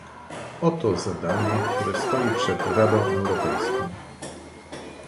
Oto zadanie, które stoi przed Radą Europejską